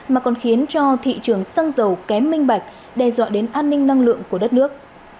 mà còn khiến cho thị trường xăng dầu kém minh bạch đe dọa đến an ninh năng lượng của đất nước